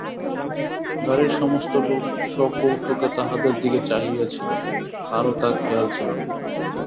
গাড়ির সমস্ত লোক সকৌতুকে তাহাদের দিকে চাহিয়া ছিল, কারো তা খেয়াল ছিল না।